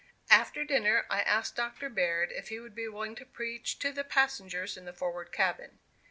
After dinner I asked Dr. Baird if he would be willing to preach to the passengers in the forward cabin.